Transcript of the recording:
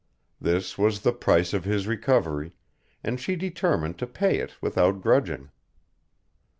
This was the price of his recovery, and she determined to pay it without grudging.